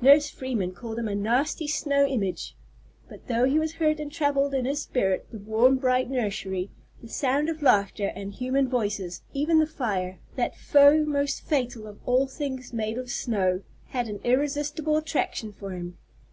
Nurse Freeman called him a "nasty snow image." But though he was hurt and troubled in his spirit, the warm bright nursery, the sound of laughter and human voices, even the fire, that foe most fatal of all to things made of snow, had an irresistible attraction for him.